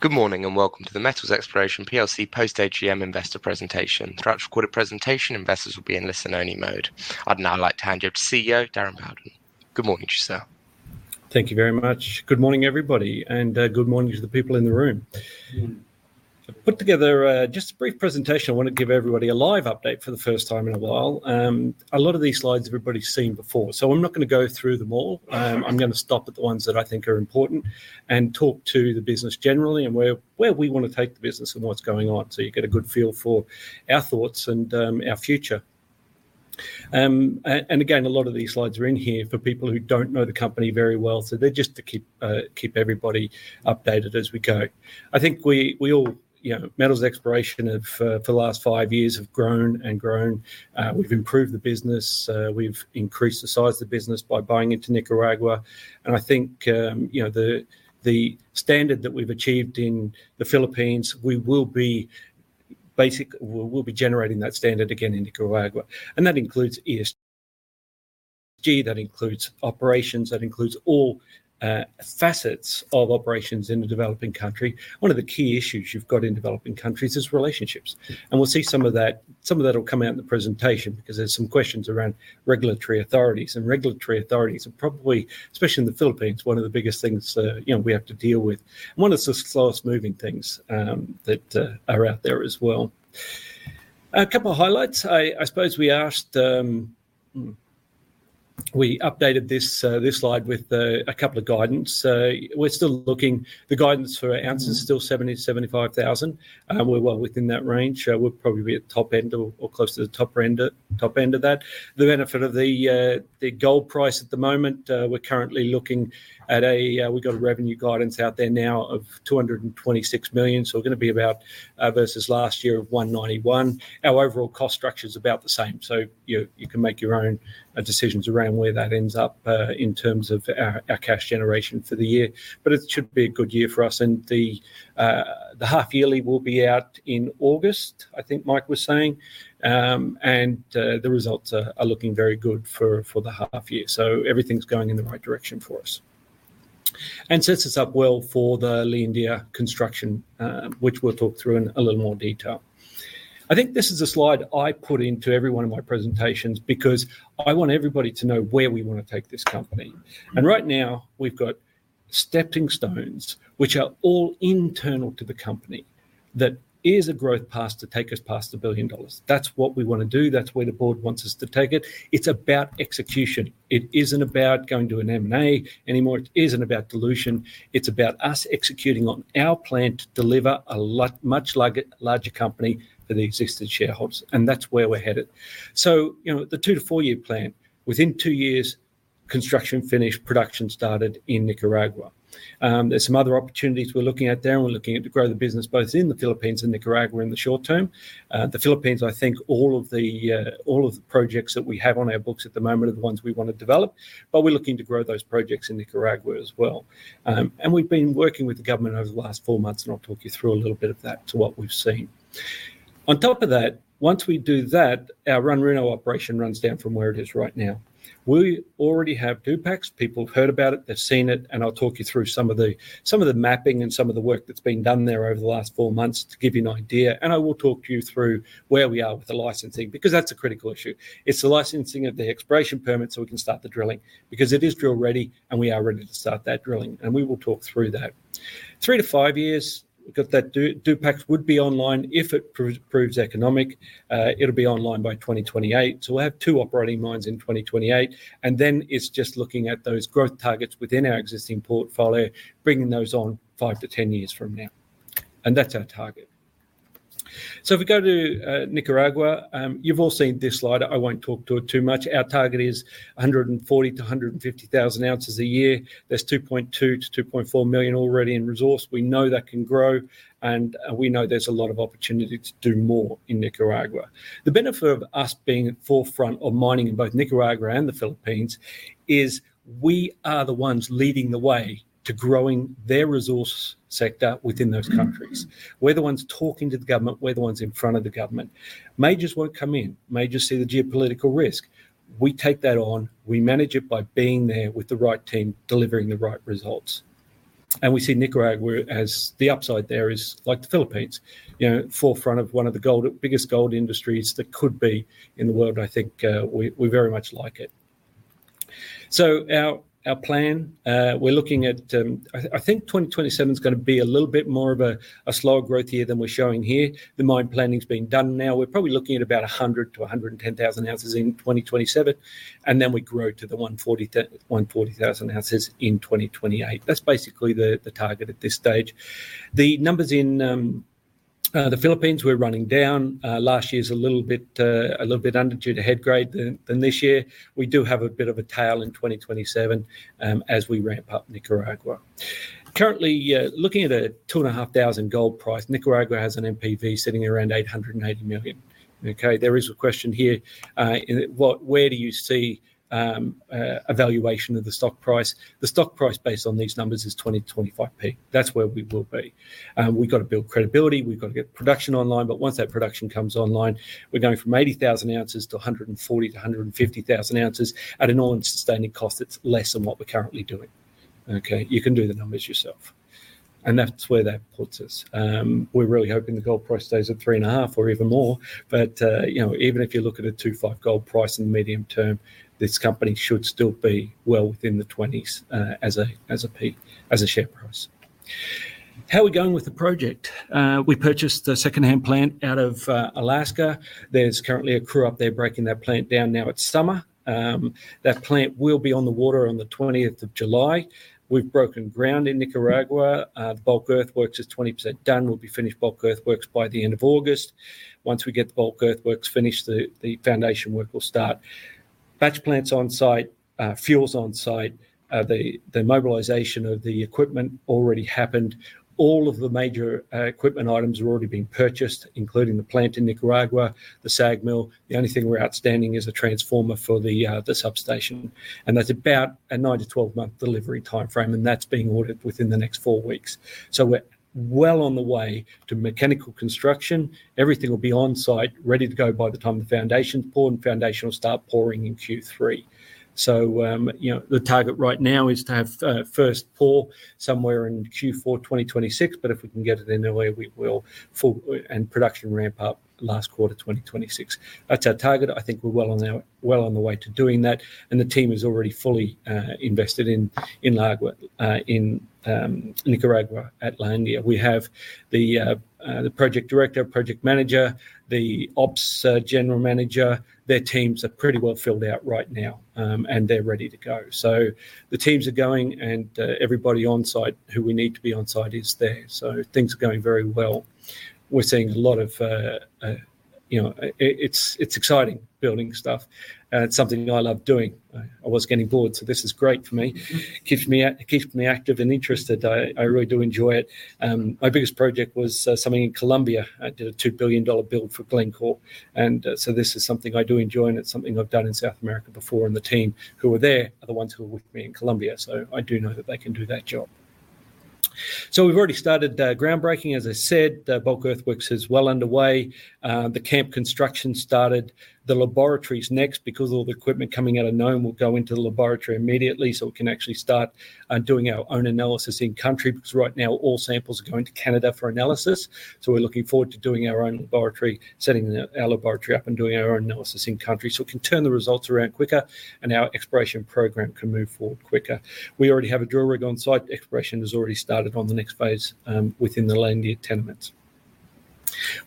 Good morning and welcome to the Metals Exploration Plc Post-AGM Investor Presentation. Throughout the quarter presentation, investors will be in listen-only mode. I'd now like to hand you to CEO, Darren Bowden. Good morning to you, sir. Thank you very much. Good morning, everybody, and good morning to the people in the room. I've put together just a brief presentation. I want to give everybody a live update for the first time in a while. A lot of these slides everybody's seen before, so I'm not going to go through them all. I'm going to stop at the ones that I think are important and talk to the business generally, and where we want to take the business and what's going on, so you get a good feel for our thoughts and our future. Again, a lot of these slides are in here for people who don't know the company very well. So they're just to keep everybody updated as we go. I think Metals Exploration for the last five years have grown and grown. We've improved the business. We've increased the size of the business by buying into Nicaragua. I think, the standard that we've achieved in the Philippines, we will be generating that standard again in Nicaragua. That includes ESG, that includes operations, that includes all facets of operations in the developing country. One of the key issues you've got in developing countries is relationships. We'll see some of that. Some of that'll come out in the presentation because there's some questions around regulatory authorities. Regulatory authorities are probably, especially in the Philippines, one of the biggest things we have to deal with. One of the slowest-moving things that are out there as well. A couple of highlights. I suppose we updated this slide with a couple of guidance. We're still looking, the guidance for our ounces are still 70,000-75,000. We're well within that range. We'll probably be at top end or close to the top end of that. The benefit of the gold price at the moment we're currently looking at. We've got a revenue guidance out there now of $226 million. We're going to be about versus last year, $191 million. Our overall cost structure is about the same. You can make your own decisions around where that ends up, in terms of our cash generation for the year. It should be a good year for us and the half yearly will be out in August, I think Mike was saying. The results are looking very good for the half year. Everything's going in the right direction for us. It sets us up well for the La India construction, which we'll talk through in a little more detail. I think this is a slide I put into every one of my presentations because I want everybody to know where we want to take this company. Right now, we've got stepping stones, which are all internal to the company, that is a growth path to take us past $1 billion. That's what we want to do. That's where the board wants us to take it. It's about execution. It isn't about going to an M&A anymore. It isn't about dilution. It's about us executing on our plan to deliver a much larger company for the existing shareholders. That's where we're headed. The two- to four-year plan. Within two years, construction finished, production started in Nicaragua. There's some other opportunities we're looking at there, and we're looking to grow the business both in the Philippines and Nicaragua in the short term. The Philippines, I think all of the projects that we have on our books at the moment are the ones we want to develop. We're looking to grow those projects in Nicaragua as well. We've been working with the government over the last four months, and I'll talk you through a little bit of that to what we've seen. On top of that, once we do that, our Runruno operation runs down from where it is right now. We already have Dupax. People have heard about it, they've seen it, and I'll talk you through some of the mapping and some of the work that's been done there over the last four months to give you an idea. I will talk you through where we are with the licensing, because that's a critical issue. It's the licensing of the exploration permit so we can start the drilling. Because it is drill ready, and we are ready to start that drilling. We will talk through that. Three to five years, because that Dupax would be online. If it proves economic, it'll be online by 2028. We'll have two operating mines in 2028. Then it's just looking at those growth targets within our existing portfolio, bringing those on 5-10 years from now. That's our target. If we go to Nicaragua. You've all seen this slide. I won't talk to it too much. Our target is 140,000-150,000 oz a year. There's 2.2-2.4 million already in resource. We know that can grow, and we know there's a lot of opportunity to do more in Nicaragua. The benefit of us being at forefront of mining in both Nicaragua and the Philippines is we are the ones leading the way to growing their resource sector within those countries. We're the ones talking to the government. We're the ones in front of the government. Majors won't come in. Majors see the geopolitical risk. We take that on. We manage it by being there with the right team, delivering the right results. We see Nicaragua as the upside there is like the Philippines, forefront of one of the biggest gold industries that could be in the world. I think, we very much like it. Our plan. We're looking at, I think 2027 is going to be a little bit more of a slower growth year than we're showing here. The mine planning's being done now. We're probably looking at about 100,000-110,000 oz in 2027. We grow to the 140,000 oz in 2028. That's basically the target at this stage. The numbers in the Philippines, we're running down. Last year's a little bit under due to head grade than this year. We do have a bit of a tail in 2027, as we ramp up Nicaragua. Currently, looking at a $2,500 gold price. Nicaragua has an NPV sitting around $880 million. Okay. There is a question here. Where do you see a valuation of the stock price? The stock price based on these numbers is 0.2025. That's where we will be. We've got to build credibility. We've got to get production online. Once that production comes online, we're going from 80,000 oz to 140,000-150,000 oz at an all-in sustaining cost that's less than what we're currently doing. Okay. You can do the numbers yourself. That's where that puts us. We're really hoping the gold price stays at $3,500 or even more. Even if you look at a $2,500 gold price in the medium term, this company should still be well within the 20s as a peak, as a share price. How are we going with the project? We purchased a second-hand plant out of Alaska. There's currently a crew up there breaking that plant down now it's summer. That plant will be on the water on the 20th of July. We've broken ground in Nicaragua. The bulk earthworks is 20% done. We'll be finished bulk earthworks by the end of August. Once we get the bulk earthworks finished, the foundation work will start. Batch plant's on-site. Fuel's on-site. The mobilization of the equipment already happened. All of the major equipment items have already been purchased, including the plant in Nicaragua, the SAG mill. The only thing we're outstanding is a transformer for the substation, and that's about a 9-12-month delivery timeframe, and that's being ordered within the next four weeks. We're well on the way to mechanical construction. Everything will be on-site ready to go by the time the foundation's poured, and foundation will start pouring in Q3. The target right now is to have first pour somewhere in Q4 2026, but if we can get it underway, we will, and production ramp up last quarter 2026. That's our target. I think we're well on the way to doing that, and the team is already fully invested in Nicaragua at La India. We have the project director, project manager, the ops general manager. Their teams are pretty well filled out right now, and they're ready to go. The teams are going and everybody on-site who we need to be on-site is there. Things are going very well. It's exciting building stuff. It's something I love doing. I was getting bored, so this is great for me. Keeps me active and interested. I really do enjoy it. My biggest project was something in Colombia. I did a $2 billion build for Glencore, and so this is something I do enjoy, and it's something I've done in South America before. The team who were there are the ones who were with me in Colombia. I do know that they can do that job. We've already started groundbreaking, as I said. The bulk earthworks is well underway. The camp construction started. The laboratory's next, because all the equipment coming out of Nome will go into the laboratory immediately, so we can actually start doing our own analysis in-country, because right now, all samples are going to Canada for analysis. We're looking forward to doing our own laboratory, setting our laboratory up and doing our own analysis in-country, so we can turn the results around quicker, and our exploration program can move forward quicker. We already have a drill rig on-site. Exploration has already started on the next phase within the La India tenements.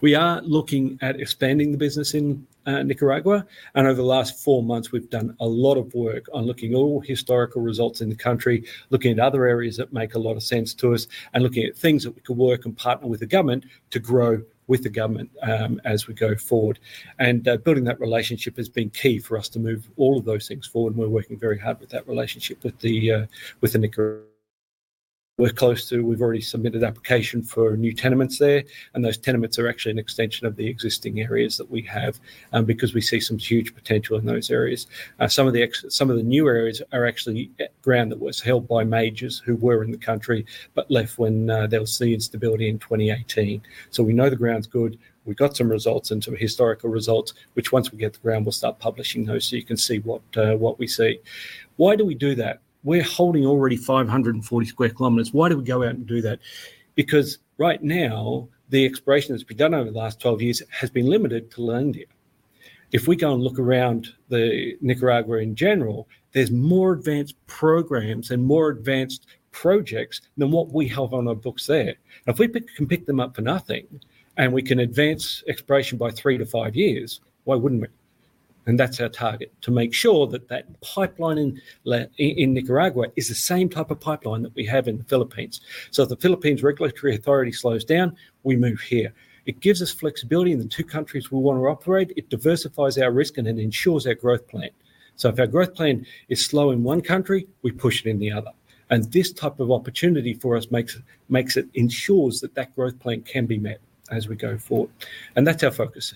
We are looking at expanding the business in Nicaragua, and over the last four months, we've done a lot of work on looking at all historical results in the country, looking at other areas that make a lot of sense to us, and looking at things that we could work and partner with the government to grow with the government as we go forward. Building that relationship has been key for us to move all of those things forward, and we're working very hard with that relationship with Nicaragua. We're close to, we've already submitted an application for new tenements there, and those tenements are actually an extension of the existing areas that we have, because we see some huge potential in those areas. Some of the new areas are actually ground that was held by majors who were in the country but left when there was political instability in 2018. We know the ground's good. We got some results and some historical results, which once we get the ground, we'll start publishing those so you can see what we see. Why do we do that? We're holding already 540 sq km. Why do we go out and do that? Because right now, the exploration that's been done over the last 12 years has been limited to La India. If we go and look around Nicaragua in general, there's more advanced programs and more advanced projects than what we have on our books there. If we can pick them up for nothing, and we can advance exploration by three to five years, why wouldn't we? That's our target, to make sure that that pipeline in Nicaragua is the same type of pipeline that we have in the Philippines. If the Philippines Regulatory Authority slows down, we move here. It gives us flexibility in the two countries we want to operate. It diversifies our risk, and it ensures our growth plan. If our growth plan is slow in one country, we push it in the other. This type of opportunity for us ensures that that growth plan can be met as we go forward. That's our focus.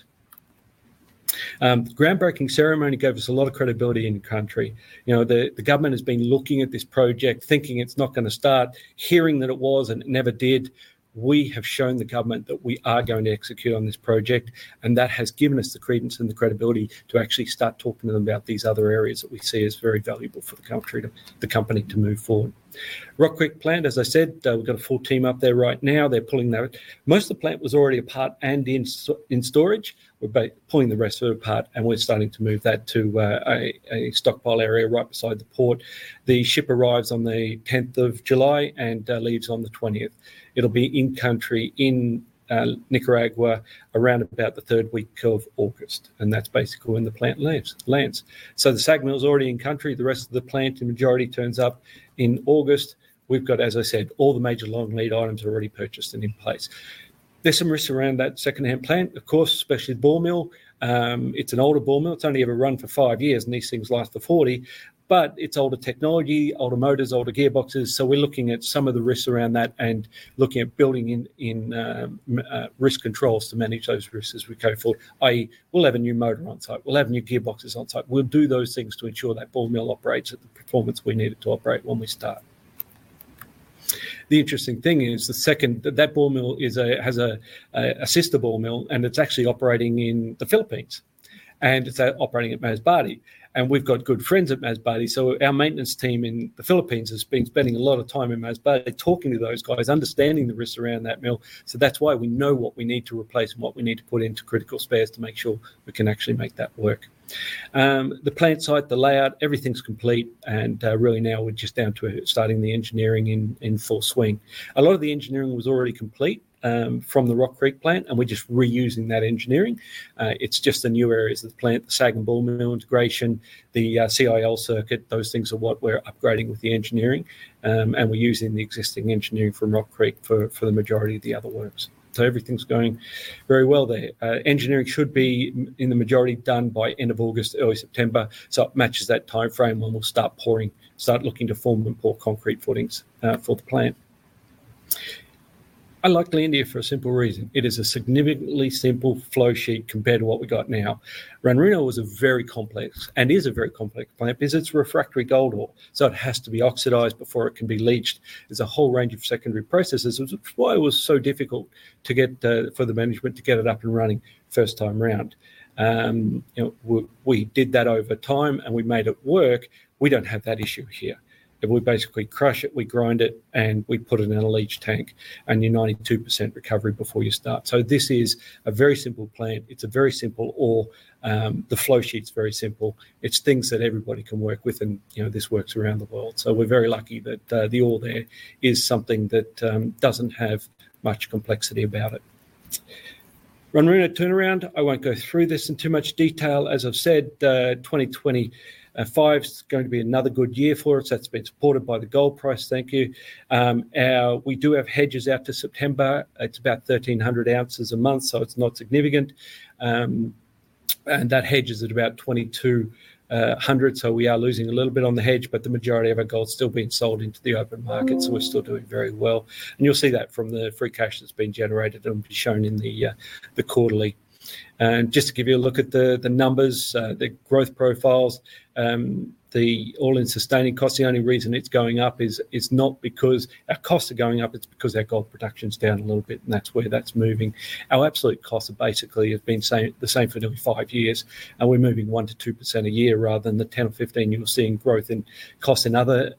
Groundbreaking ceremony gave us a lot of credibility in the country. The government has been looking at this project, thinking it's not going to start, hearing that it was and it never did. We have shown the government that we are going to execute on this project, and that has given us the credence and the credibility to actually start talking to them about these other areas that we see as very valuable for the company to move forward. Rock Creek plant, as I said, we've got a full team up there right now. Most of the plant was already apart and in storage. We're pulling the rest of it apart, and we're starting to move that to a stockpile area right beside the port. The ship arrives on the 10th of July and leaves on the 20th. It'll be in country, in Nicaragua, around about the third week of August, and that's basically when the plant lands. The SAG mill's already in country. The rest of the plant, the majority turns up in August. We've got, as I said, all the major long-lead items are already purchased and in place. There's some risks around that second-hand plant, of course, especially the ball mill. It's an older ball mill. It's only ever run for five years, and these things last for 40. It's older technology, older motors, older gearboxes. We're looking at some of the risks around that and looking at building in risk controls to manage those risks as we go forward, i.e., we'll have a new motor on-site. We'll have new gearboxes on-site. We'll do those things to ensure that ball mill operates at the performance we need it to operate when we start. The interesting thing is that ball mill has a sister ball mill, and it's actually operating in the Philippines. It's operating at Masbate. We've got good friends at Masbate, so our maintenance team in the Philippines has been spending a lot of time in Masbate talking to those guys, understanding the risks around that mill. That's why we know what we need to replace and what we need to put into critical spares to make sure we can actually make that work. The plant site, the layout, everything's complete, and really now we're just down to starting the engineering in full swing. A lot of the engineering was already complete from the Rock Creek plant, and we're just reusing that engineering. It's just the new areas of the plant, the SAG and ball mill integration, the CIL circuit. Those things are what we're upgrading with the engineering. We're using the existing engineering from Rock Creek for the majority of the other works. Everything's going very well there. Engineering should be, in the majority, done by end of August, early September. It matches that time frame when we'll start pouring, start looking to form and pour concrete footings for the plant. I like La India for a simple reason. It is a significantly simple flow sheet compared to what we've got now. Runruno was a very complex, and is a very complex plant because it's refractory gold ore, so it has to be oxidized before it can be leached. There's a whole range of secondary processes, which is why it was so difficult for the management to get it up and running first time around. We did that over time and we made it work. We don't have that issue here. We basically crush it, we grind it, and we put it in a leach tank, and you're 92% recovery before you start. This is a very simple plant. It's a very simple ore. The flow sheet's very simple. It's things that everybody can work with, and this works around the world. We're very lucky that the ore there is something that doesn't have much complexity about it. Runruno turnaround, I won't go through this in too much detail. As I've said, 2025's going to be another good year for us. That's been supported by the gold price. Thank you. We do have hedges out to September. It's about 1,300 oz a month, so it's not significant. That hedge is at about $2,200, so we are losing a little bit on the hedge, but the majority of our gold's still being sold into the open market, so we're still doing very well. You'll see that from the free cash that's been generated that'll be shown in the quarterly. Just to give you a look at the numbers, the growth profiles. The all-in sustaining cost, the only reason it's going up is not because our costs are going up, it's because our gold production's down a little bit, and that's where that's moving. Our absolute costs basically have been the same for the last five years, and we're moving 1%-2% a year rather than the 10 or 15 you're seeing growth in costs in other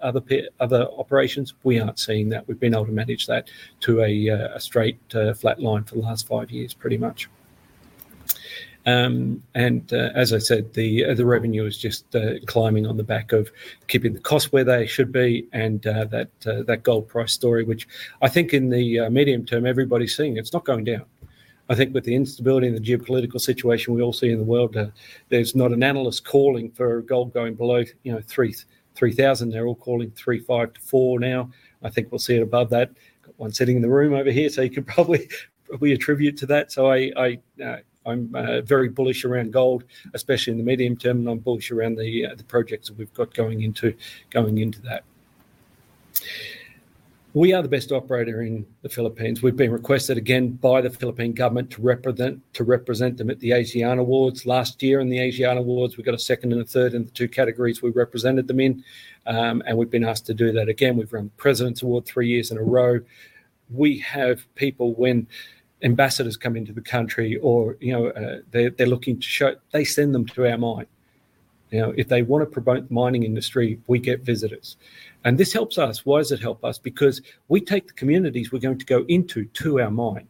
operations. We aren't seeing that. We've been able to manage that to a straight flat line for the last five years pretty much. As I said, the revenue is just climbing on the back of keeping the costs where they should be and that gold price story, which I think in the medium term, everybody's seeing. It's not going down. I think with the instability and the geopolitical situation we all see in the world, there's not an analyst calling for gold going below $3,000. They're all calling $3,500-$4,000 now. I think we'll see it above that. Got one sitting in the room over here, so you could probably attribute to that. I'm very bullish around gold, especially in the medium term, and I'm bullish around the projects that we've got going into that. We are the best operator in the Philippines. We've been requested again by the Philippine government to represent them at the ASEAN Awards. Last year in the ASEAN Awards, we got a second and a third in the two categories we represented them in. We've been asked to do that again. We've won President's Award three years in a row. We have people, when ambassadors come into the country or they're looking to show, they send them to our mine. If they want to promote the mining industry, we get visitors. This helps us. Why does it help us? Because we take the communities we're going to go into to our mine.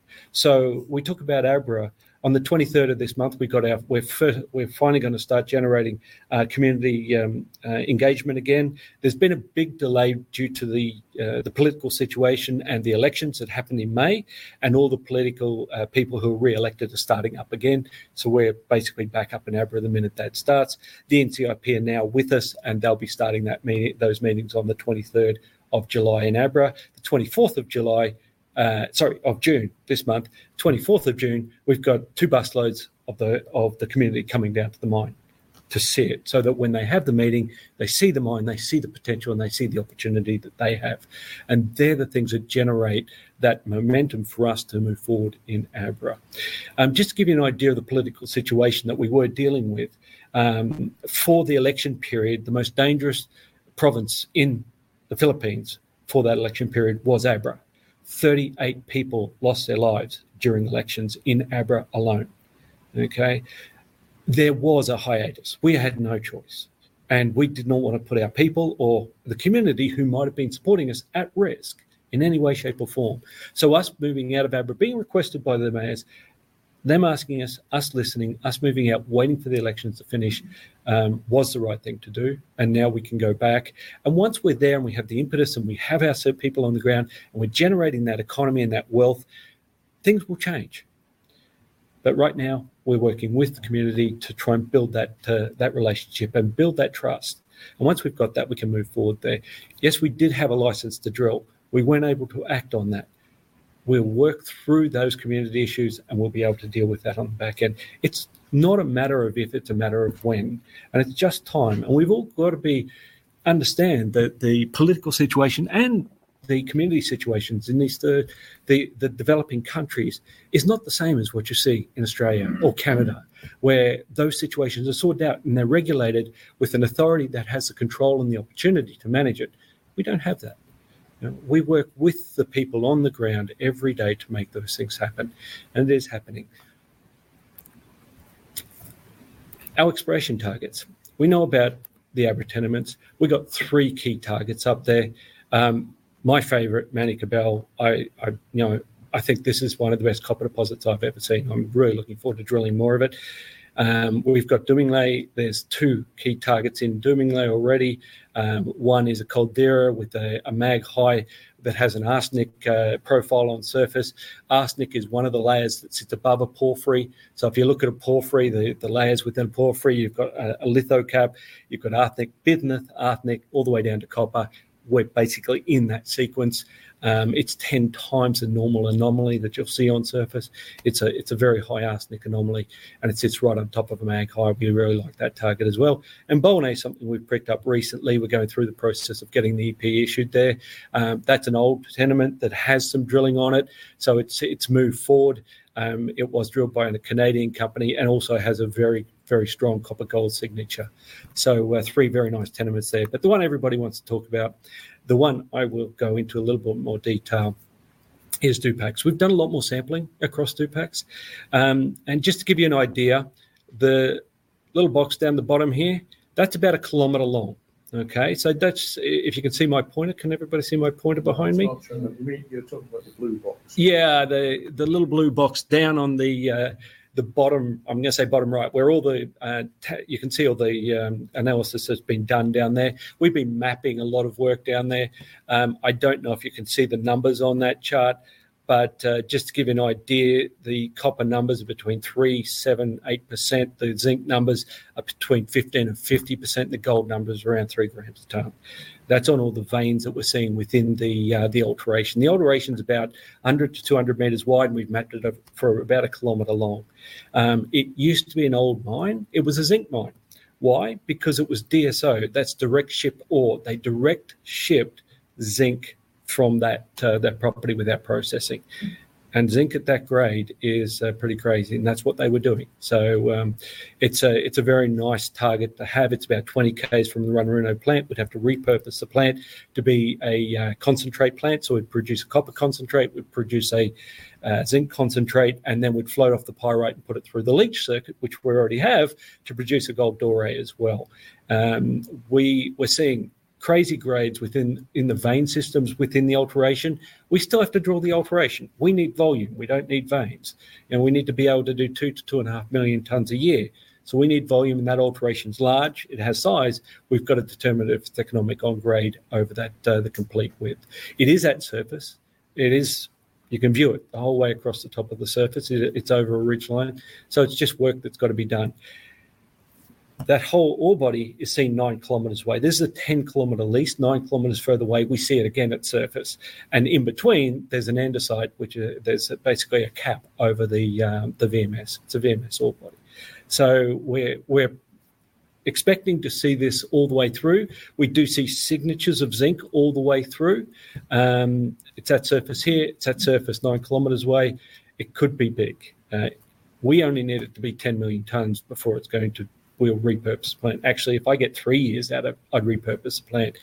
We talk about Abra. On the 23rd of this month, we're finally going to start generating community engagement again. There's been a big delay due to the political situation and the elections that happened in May, and all the political people who were reelected are starting up again. We're basically back up in Abra the minute that starts. The NCIP are now with us, and they'll be starting those meetings on the 23rd of July in Abra. The 24th of July. Sorry, of June. This month. 24th of June, we've got two busloads of the community coming down to the mine to see it, so that when they have the meeting, they see the mine, they see the potential, and they see the opportunity that they have. They're the things that generate that momentum for us to move forward in Abra. Just to give you an idea of the political situation that we were dealing with. For the election period, the most dangerous province in the Philippines for that election period was Abra. 38 people lost their lives during elections in Abra alone. Okay. There was a hiatus. We had no choice. We did not want to put our people or the community who might've been supporting us at risk in any way, shape, or form. Us moving out of Abra, being requested by the mayors, them asking us listening, us moving out, waiting for the elections to finish, was the right thing to do. Now we can go back. Once we're there, and we have the impetus, and we have our set of people on the ground, and we're generating that economy and that wealth, things will change. Right now, we're working with the community to try and build that relationship and build that trust. Once we've got that, we can move forward there. Yes, we did have a license to drill. We weren't able to act on that. We'll work through those community issues, and we'll be able to deal with that on the back end. It's not a matter of if, it's a matter of when. It's just time. We've all got to understand that the political situation and the community situations in the developing countries is not the same as what you see in Australia or Canada, where those situations are sorted out and they're regulated with an authority that has the control and the opportunity to manage it. We don't have that. We work with the people on the ground every day to make those things happen, and it is happening. Our exploration targets. We know about the Abra tenements. We've got three key targets up there. My favorite, Manikbel. I think this is one of the best copper deposits I've ever seen. I'm really looking forward to drilling more of it. We've got Domenglay. There's two key targets in Domenglay already. One is a caldera with a magnetic high that has an arsenic profile on surface. Arsenic is one of the layers that sits above a porphyry. If you look at a porphyry, the layers within porphyry, you've got a lithocap, you've got arsenic, bismuth, arsenic, all the way down to copper. We're basically in that sequence. It's 10 times the normal anomaly that you'll see on surface. It's a very high arsenic anomaly, and it sits right on top of a magnetic high. We really like that target as well. Boliney is something we've picked up recently. We're going through the process of getting the EP issued there. That's an old tenement that has some drilling on it. It's moved forward. It was drilled by a Canadian company, and also has a very strong copper-gold signature. Three very nice tenements there. The one everybody wants to talk about, the one I will go into a little bit more detail is Dupax. We've done a lot more sampling across Dupax. Just to give you an idea, the little box down the bottom here, that's about a kilometer long. Okay? If you can see my pointer, can everybody see my pointer behind me? It's not showing up. You're talking about the blue box. Yeah, the little blue box down on the bottom. I'm going to say bottom right, where you can see all the analysis that's been done down there. We've been mapping a lot of work down there. I don't know if you can see the numbers on that chart, but just to give you an idea, the copper numbers are between 3%-8%. The zinc numbers are between 15%-50%. The gold number's around 3 g a ton. That's on all the veins that we're seeing within the alteration. The alteration is about 100-200 m wide, and we've mapped it for about a kilometer long. It used to be an old mine. It was a zinc mine. Why? Because it was DSO. That's direct ship ore. They direct-shipped zinc from that property without processing. Zinc at that grade is pretty crazy, and that's what they were doing. It's a very nice target to have. It's about 20 km from the Runruno plant. We'd have to repurpose the plant to be a concentrate plant. We'd produce a copper concentrate, we'd produce a zinc concentrate, and then we'd float off the pyrite and put it through the leach circuit, which we already have to produce a gold doré as well. We're seeing crazy grades in the vein systems within the alteration. We still have to drill the alteration. We need volume. We don't need veins. We need to be able to do 2 million-2.5 million tons a year. We need volume, and that alteration is large. It has size. We've got to determine if it's economic on grade over the complete width. It is at surface. You can view it the whole way across the top of the surface. It's over a ridge line. It's just work that's got to be done. That whole ore body is seen 9 km away. This is a 10-km lease. 9 km further away, we see it again at surface. In between, there's an andesite, which there's basically a cap over the VMS. It's a VMS ore body. We're expecting to see this all the way through. We do see signatures of zinc all the way through. It's at surface here. It's at surface 9 km away. It could be big. We only need it to be 10 million tons before we'll repurpose the plant. Actually, if I get three years out of it, I'd repurpose the plant.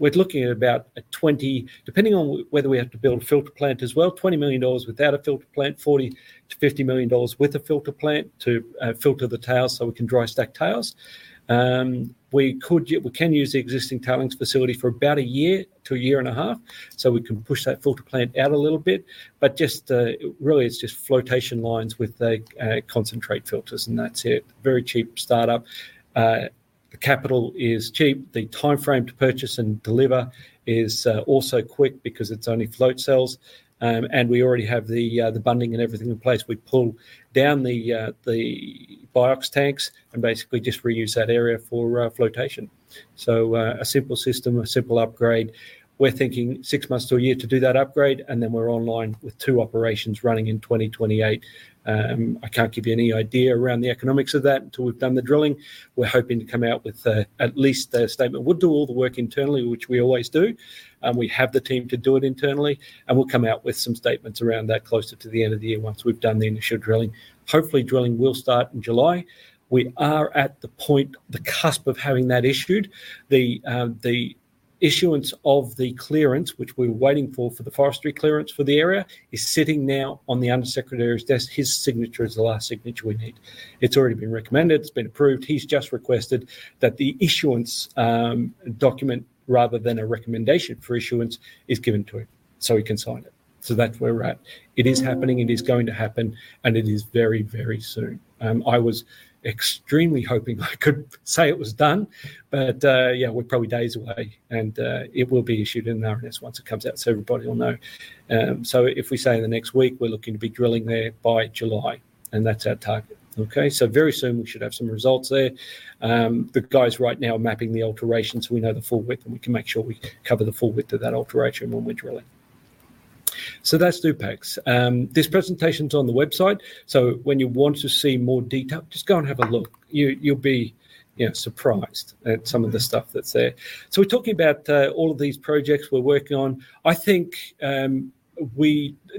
We're looking at about $20 million, depending on whether we have to build a filter plant as well, $20 million without a filter plant, $40 million-$50 million with a filter plant to filter the tails so we can dry stack tails. We can use the existing tailings facility for about a year to a year and a half. We can push that filter plant out a little bit. Really it's just flotation lines with concentrate filters, and that's it. Very cheap start-up. The capital is cheap. The timeframe to purchase and deliver is also quick because it's only float cells. We already have the bunding and everything in place. We pull down the BIOX tanks and basically just reuse that area for flotation. A simple system, a simple upgrade. We're thinking six months to a year to do that upgrade, and then we're online with two operations running in 2028. I can't give you any idea around the economics of that until we've done the drilling. We're hoping to come out with at least a statement. We'll do all the work internally, which we always do. We have the team to do it internally, and we'll come out with some statements around that closer to the end of the year once we've done the initial drilling. Hopefully, drilling will start in July. We are at the point, the cusp of having that issued. The issuance of the clearance, which we're waiting for the forestry clearance for the area, is sitting now on the undersecretary's desk. His signature is the last signature we need. It's already been recommended. It's been approved. He's just requested that the issuance document, rather than a recommendation for issuance, is given to him so he can sign it. That's where we're at. It is happening. It is going to happen, and it is very soon. I was extremely hoping I could say it was done. Yeah, we're probably days away. It will be issued an RNS once it comes out, so everybody will know. If we say the next week, we're looking to be drilling there by July, and that's our target. Okay? Very soon we should have some results there. The guys right now are mapping the alterations, so we know the full width, and we can make sure we cover the full width of that alteration when we're drilling. That's Dupax. This presentation's on the website, so when you want to see more detail, just go and have a look. You'll be surprised at some of the stuff that's there. We're talking about all of these projects we're working on. I think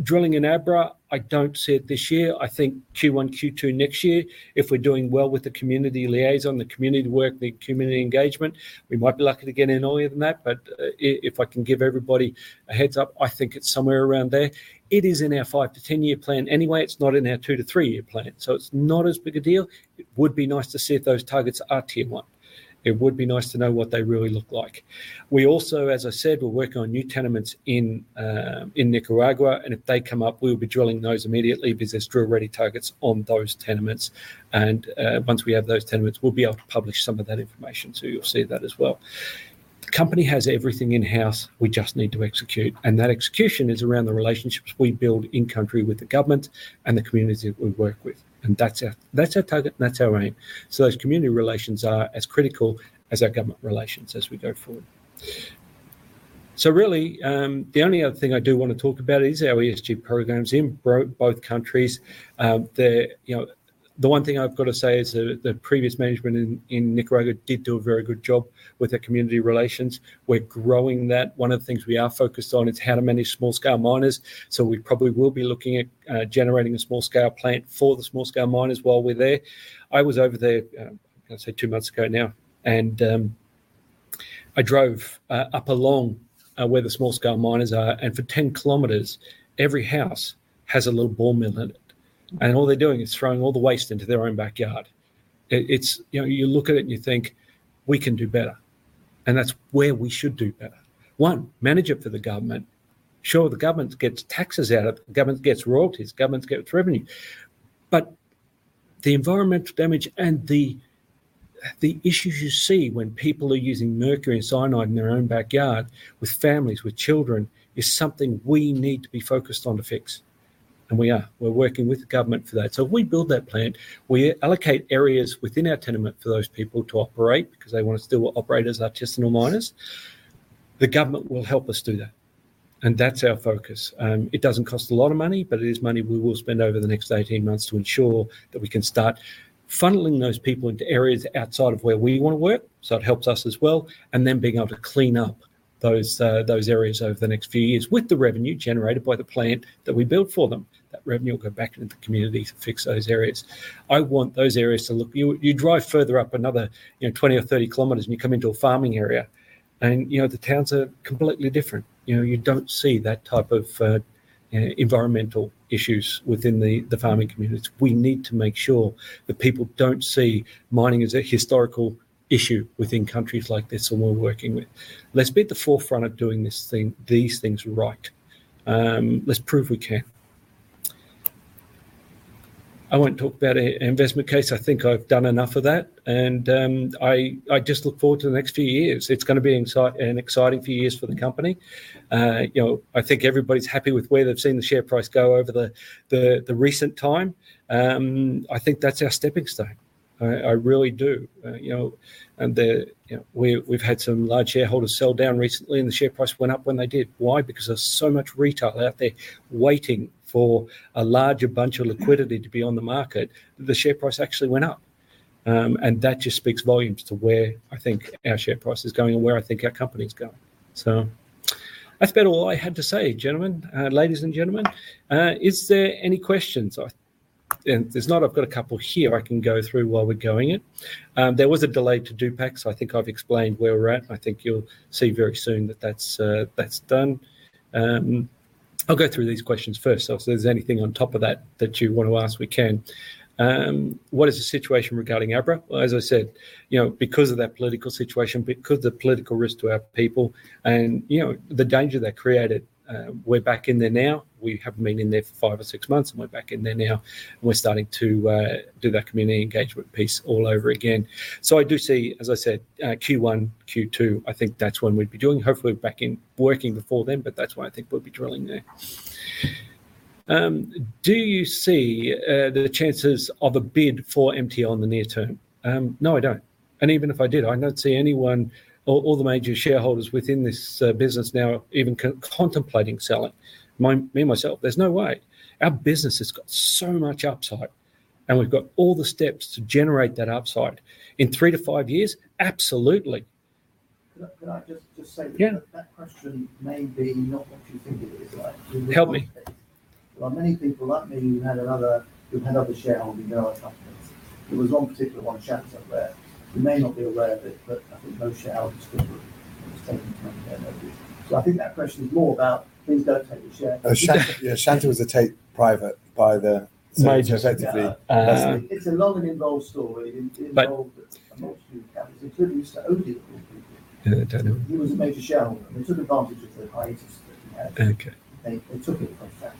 drilling in Abra, I don't see it this year. I think Q1, Q2 next year. If we're doing well with the community liaison, the community work, the community engagement, we might be lucky to get in earlier than that. But if I can give everybody a heads-up, I think it's somewhere around there. It is in our 5-10-year plan anyway. It's not in our two-to-three-year plan. It's not as big a deal. It would be nice to see if those targets are tier one. It would be nice to know what they really look like. We also, as I said, we're working on new tenements in Nicaragua, and if they come up, we'll be drilling those immediately because there's drill-ready targets on those tenements. Once we have those tenements, we'll be able to publish some of that information, so you'll see that as well. The company has everything in-house. We just need to execute. That execution is around the relationships we build in-country with the government and the community that we work with. That's our target and that's our aim. Those community relations are as critical as our government relations as we go forward. Really, the only other thing I do want to talk about is our ESG programs in both countries. The one thing I've got to say is that the previous management in Nicaragua did do a very good job with their community relations. We're growing that. One of the things we are focused on is how to manage small-scale miners. We probably will be looking at generating a small-scale plant for the small-scale miners while we're there. I was over there, I'd say two months ago now, and I drove up along where the small-scale miners are, and for 10 km, every house has a little ball mill in it. All they're doing is throwing all the waste into their own backyard. You look at it and you think, "We can do better." That's where we should do better. One, manage it for the government. Sure, the government gets taxes out of it. The government gets royalties. The government gets revenue. The environmental damage and the issues you see when people are using mercury and cyanide in their own backyard with families, with children, is something we need to be focused on to fix, and we are. We're working with the government for that. If we build that plant, we allocate areas within our tenement for those people to operate because they want to still operate as artisanal miners. The government will help us do that. That's our focus. It doesn't cost a lot of money, but it is money we will spend over the next 18 months to ensure that we can start funneling those people into areas outside of where we want to work. It helps us as well. Then being able to clean up those areas over the next few years with the revenue generated by the plant that we built for them. That revenue will go back into the community to fix those areas. You drive further up another 20 or 30 km and you come into a farming area. The towns are completely different. You don't see that type of environmental issues within the farming communities. We need to make sure that people don't see mining as a historical issue within countries like this that we're working with. Let's be at the forefront of doing these things right. Let's prove we can. I won't talk about our investment case. I think I've done enough of that. I just look forward to the next few years. It's going to be an exciting few years for the company. I think everybody's happy with where they've seen the share price go over the recent time. I think that's our stepping stone. I really do. We've had some large shareholders sell down recently, and the share price went up when they did. Why? Because there's so much retail out there waiting for a larger bunch of liquidity to be on the market. The share price actually went up. That just speaks volumes to where I think our share price is going and where I think our company's going. That's about all I had to say, ladies and gentlemen. Is there any questions? If there's not, I've got a couple here I can go through while we're going it. There was a delay to Dupax. I think I've explained where we're at. I think you'll see very soon that that's done. I'll go through these questions first. If there's anything on top of that that you want to ask, we can. What is the situation regarding Abra? Well, as I said, because of that political situation, because of the political risk to our people and the danger that created, we're back in there now. We haven't been in there for five or six months, and we're back in there now. We're starting to do that community engagement piece all over again. I do see, as I said, Q1, Q2, I think that's when we'd be doing. Hopefully, we're back working before then, but that's when I think we'll be drilling there. Do you see the chances of a bid for MTL in the near term? No, I don't. Even if I did, I don't see anyone or the major shareholders within this business now even contemplating selling. Me, myself. There's no way. Our business has got so much upside, and we've got all the steps to generate that upside. In three to five years, absolutely. Can I just say. Yeah. That question may be not what you think it is like. Help me. There are many people like me who've had other shareholdings in other companies. There was one particular one, Shanta, where you may not be aware of it, but I think most shareholders could. It was taken private. I think that question is more about, please don't take the share. Shanta was taken private by the- Major effectively. It's a long and involved story. It involved a multitude of characters, including Sir Odey, who was a major shareholder, and they took advantage of the hiatus that we had. Okay. They took it private,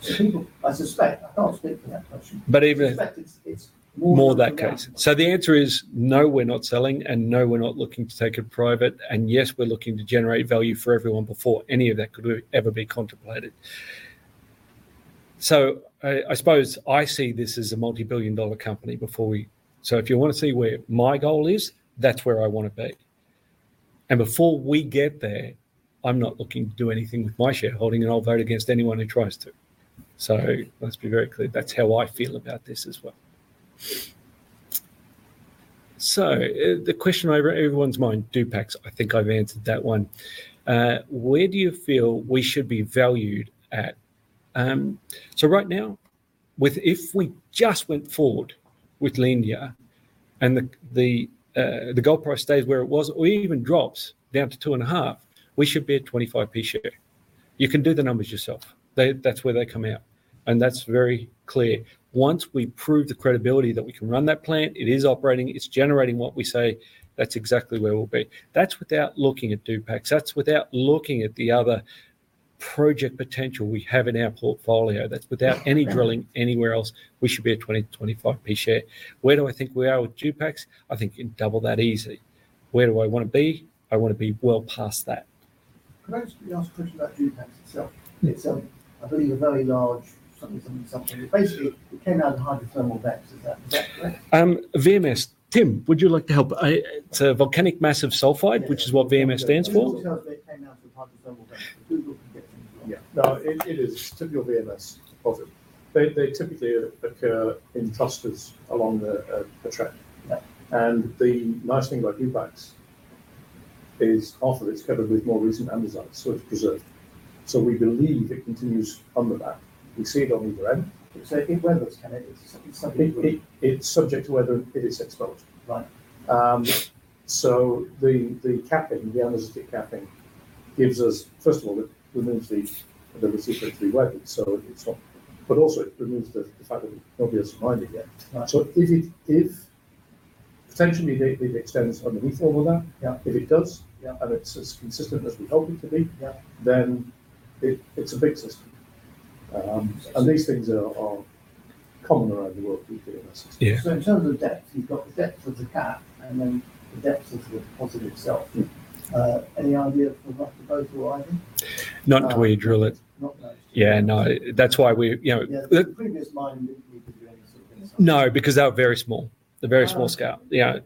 actually. I suspect, I can't speak for that question. But even- I suspect it's more. More to that case. The answer is no, we're not selling, and no, we're not looking to take it private, and yes, we're looking to generate value for everyone before any of that could ever be contemplated. I suppose I see this as a multibillion-dollar company. If you want to see where my goal is, that's where I want to be. Before we get there, I'm not looking to do anything with my shareholding, and I'll vote against anyone who tries to. Let's be very clear. That's how I feel about this as well. The question on everyone's mind, Dupax. I think I've answered that one. Where do you feel we should be valued at? Right now, if we just went forward with La India and the gold price stays where it was, or even drops down to $2,500, we should be a 0.25 share. You can do the numbers yourself. That's where they come out, and that's very clear. Once we prove the credibility that we can run that plant, it is operating, it's generating what we say, that's exactly where we'll be. That's without looking at Dupax. That's without looking at the other project potential we have in our portfolio. That's without any drilling anywhere else. We should be a 0.20-0.25 share. Where do I think we are with Dupax? I think double that, easy. Where do I want to be? I want to be well past that. Can I just ask a question about Dupax itself? Yeah. It's, I believe, a very large something. Basically, it came out of the hydrothermal vents. Is that correct? VMS. Tim, would you like to help? It's a volcanic massive sulfide. Yeah Which is what VMS stands for. As long as they came out through hydrothermal vents. Google can get anything. Yeah. No, it is typical VMS deposit. They typically occur in clusters along a trend. Yeah. The nice thing about Dupax is half of it's covered with more recent andesite, so it's preserved. We believe it continues under that. We see it on either end. It weathers, can it? It's something. It's subject to whether it is exposed. Right. The capping, the andesite capping, gives us. First of all, it removes the ability for it to weather, so it's not. But also it removes the fact that there'll be a slide again. Right. If, potentially, it extends underneath all of that. Yeah If it does- Yeah It's as consistent as we hope it to be. Yeah It's a big system. These things are common around the world, these VMS systems. Yeah. In terms of depth, you've got the depth of the cap and then the depth of the deposit itself. Yeah. Any idea of what the total height is? Not until we drill it. Not yet. Yeah, no. That's why we Yeah. The previous mining didn't reveal any sort of insights? No, because they were very small. They're very small scale. Oh. Yeah.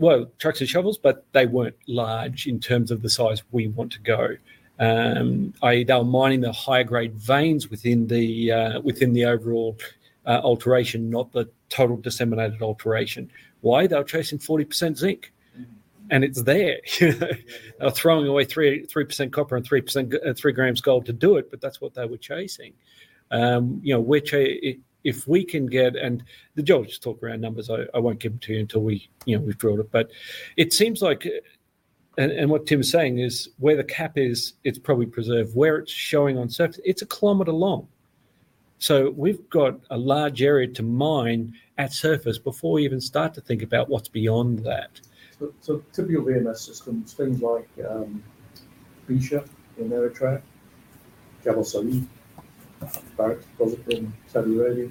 Well, trucks and shovels, but they weren't large in terms of the size we want to go. They were mining the higher grade veins within the overall alteration, not the total disseminated alteration. Why? They were chasing 40% zinc. Mm-hmm. It's there. They were throwing away 3% copper and 3 g gold to do it, but that's what they were chasing. Which if we can get, and George will talk around numbers, I won't give them to you until we've drilled it. It seems like what Tim's saying is where the cap is, it's probably preserved. Where it's showing on surface, it's a kilometer long. We've got a large area to mine at surface before we even start to think about what's beyond that. Typical VMS systems, things like Bisha in Eritrea, Jabal Sayid, Barrick deposit in Saudi Arabia.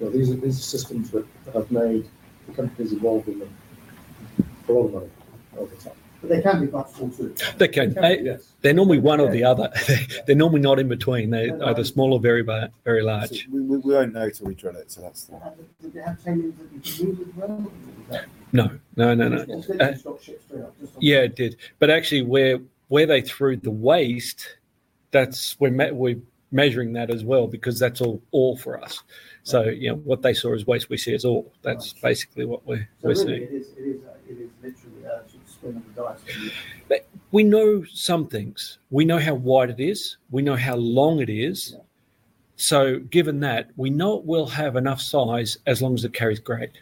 These are systems that have made the companies involved in them a lot of money over time. They can be bust too. They can. Yes. They're normally one or the other. They're normally not in between. They're either small or very large. We won't know till we drill it, so that's the. Did they have tenements that you can use as well? No. It's got ships straight up. Yeah, it did. Actually, where they threw the waste, we're measuring that as well, because that's all ore for us. What they saw as waste, we see as ore. Right. That's basically what we're seeing. Really it is literally sort of spinning the dice. We know some things. We know how wide it is. We know how long it is. Yeah. Given that, we know it will have enough size as long as it carries grade.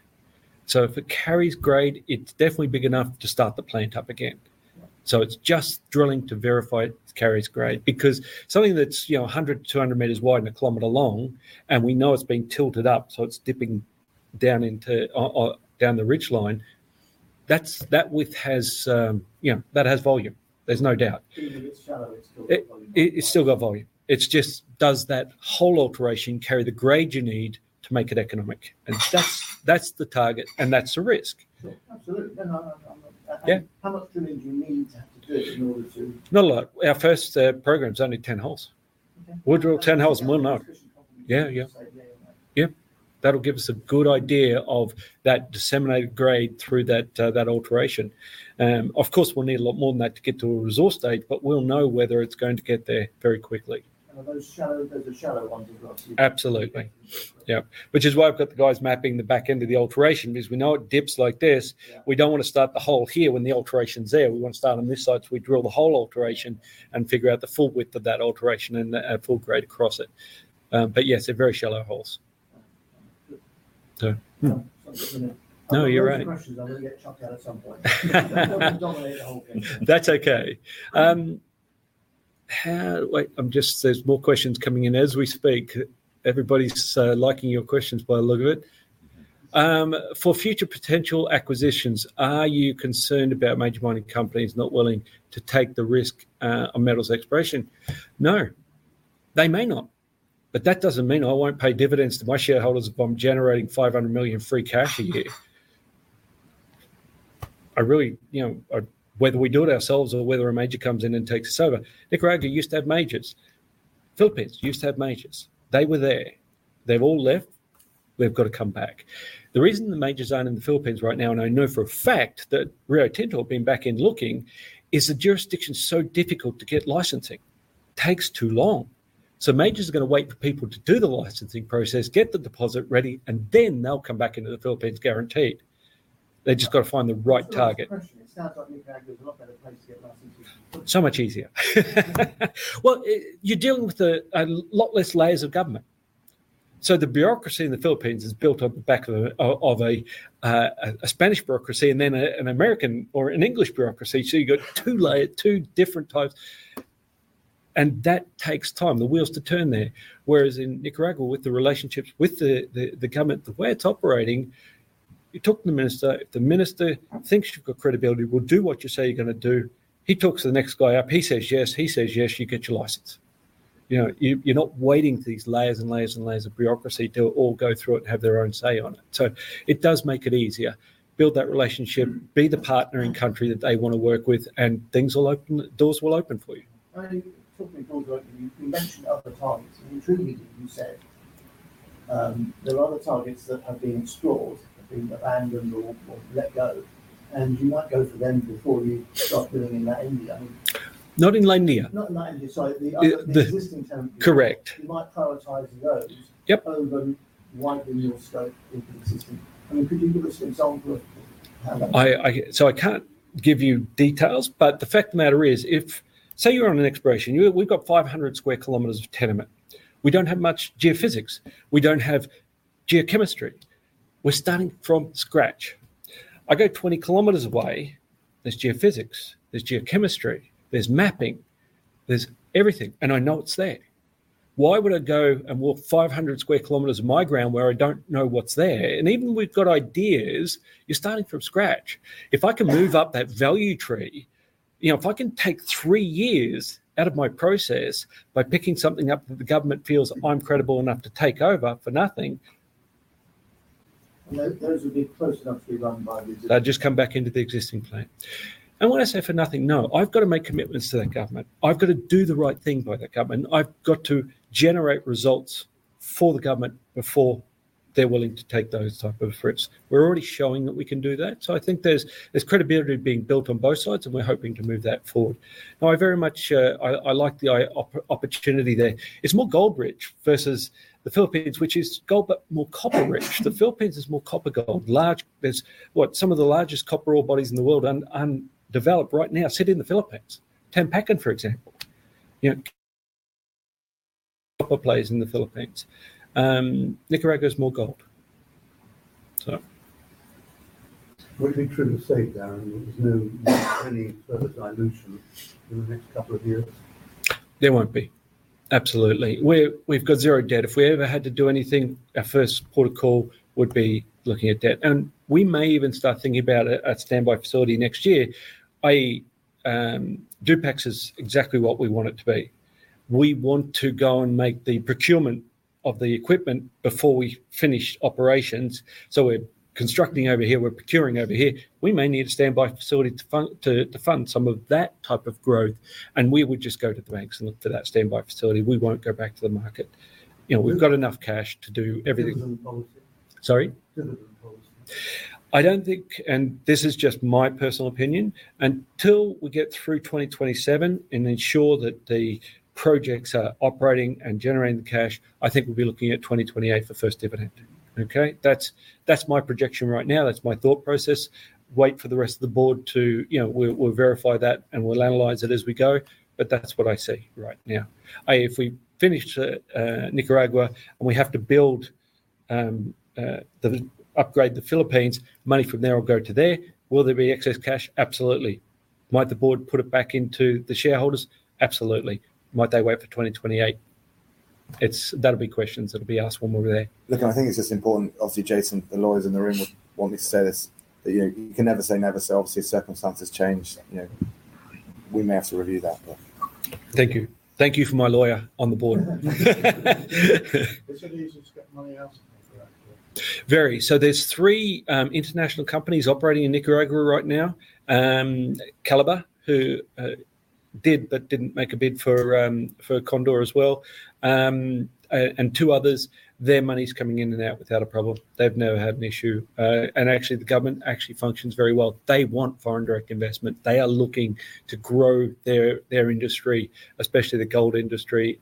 If it carries grade, it's definitely big enough to start the plant up again. Right. It's just drilling to verify it carries grade. Because something that's 100-200 m wide and 1 km long, and we know it's been tilted up, so it's dipping down the ridge line, that has volume. There's no doubt. Even if it's shallow, it's still got volume. It's still got volume. It's just, does that whole alteration carry the grade you need to make it economic? That's the target, and that's the risk. Sure. Absolutely. How much drilling do you need to have to do it in order to- Not a lot. Our first program's only 10 holes. Okay. We'll drill 10 holes and we'll know. It's more of an efficiency problem. Yeah. Save the amount. Yeah. That'll give us a good idea of that disseminated grade through that alteration. Of course, we'll need a lot more than that to get to a resource state, but we'll know whether it's going to get there very quickly. Are those shallow? They're the shallow ones you've got. Absolutely. Yeah. Which is why I've got the guys mapping the back end of the alteration, because we know it dips like this. Yeah. We don't want to start the hole here when the alteration's there. We want to start on this side, so we drill the whole alteration and figure out the full width of that alteration and the full grade across it. Yeah, they're very shallow holes. Good. So. Hmm. Sorry. No, you're right. I've got more questions. I'm going to get chucked out at some point. Dominate the whole thing. That's okay. There's more questions coming in as we speak. Everybody's liking your questions by the look of it. For future potential acquisitions, are you concerned about major mining companies not willing to take the risk on Metals Exploration? No. They may not, but that doesn't mean I won't pay dividends to my shareholders if I'm generating $500 million free cash a year. Whether we do it ourselves or whether a major comes in and takes us over. Nicaragua used to have majors. Philippines used to have majors. They were there. They've all left. They've got to come back. The reason the majors aren't in the Philippines right now, and I know for a fact that Rio Tinto have been back in looking, is the jurisdiction's so difficult to get licensing. Takes too long. Majors are going to wait for people to do the licensing process, get the deposit ready, and then they'll come back into the Philippines guaranteed. They've just got to find the right target. It sounds like Nicaragua's a lot better place to get licensing. Much easier. Well, you're dealing with a lot less layers of government. The bureaucracy in the Philippines is built on the back of a Spanish bureaucracy and then an American or an English bureaucracy. You've got two different types, and that takes time. The wheels to turn there. Whereas in Nicaragua, with the relationships with the government, the way it's operating, you talk to the minister. If the minister thinks you've got credibility and will do what you say you're going to do. He talks to the next guy up. He says yes. He says yes. You get your license. You're not waiting for these layers and layers and layers of bureaucracy to all go through it and have their own say on it. It does make it easier. Build that relationship, be the partner and country that they want to work with, and doors will open for you. Talking of doors opening, you mentioned other targets, and intriguingly, you said there are other targets that have been explored, have been abandoned or let go, and you might go for them before you start doing in La India. Not in La India. Not in La India. The other existing tenement- Correct. You might prioritize those. Yep Could you give us an example of how that? I can't give you details, but the fact of the matter is, say you're on an exploration. We've got 500 sq km of tenement. We don't have much geophysics. We don't have geochemistry. We're starting from scratch. I go 20 km away, there's geophysics, there's geochemistry, there's mapping, there's everything, and I know it's there. Why would I go and walk 500 sq km of my ground where I don't know what's there? Even we've got ideas, you're starting from scratch. If I can move up that value tree, if I can take three years out of my process by picking something up that the government feels I'm credible enough to take over for nothing. Those would be close enough to be run by the existing. They'd just come back into the existing plan. When I say for nothing, no. I've got to make commitments to that government. I've got to do the right thing by that government. I've got to generate results for the government before they're willing to take those type of risks. We're already showing that we can do that. I think there's credibility being built on both sides, and we're hoping to move that forward. I like the opportunity there. It's more gold rich versus the Philippines, which is more copper rich. The Philippines is more copper gold. Some of the largest copper ore bodies in the world undeveloped right now sit in the Philippines. Tampakan, for example. Copper plays in the Philippines. Nicaragua is more gold. Would it be true to say, Darren, there's no any further dilution in the next couple of years? There won't be. Absolutely. We've got zero debt. If we ever had to do anything, our first port of call would be looking at debt. We may even start thinking about a standby facility next year, i.e., Dupax is exactly what we want it to be. We want to go and make the procurement of the equipment before we finish operations. We're constructing over here, we're procuring over here. We may need a standby facility to fund some of that type of growth, and we would just go to the banks and look for that standby facility. We won't go back to the market. We've got enough cash to do everything. Dividend policy. Sorry? Dividend policy. This is just my personal opinion. Until we get through 2027 and ensure that the projects are operating and generating the cash, I think we'll be looking at 2028 for first dividend. Okay? That's my projection right now. That's my thought process. Wait for the rest of the board too. We'll verify that and we'll analyze it as we go, but that's what I see right now. If we finish Nicaragua and we have to build, upgrade the Philippines, money from there will go to there. Will there be excess cash? Absolutely. Might the board put it back into the shareholders? Absolutely. Might they wait for 2028? That'll be questions that'll be asked when we're there. Look, I think it's just important, obviously, Jason, the lawyers in the room would want me to say this, that you can never say never. Obviously, circumstances change. We may have to review that. Thank you. Thank you for my lawyer on the board. It's easier to get money out for that deal. Very. There's three international companies operating in Nicaragua right now. Calibre, who did but didn't make a bid for Condor as well. Two others. Their money's coming in and out without a problem. They've never had an issue. Actually, the government actually functions very well. They want foreign direct investment. They are looking to grow their industry, especially the gold industry.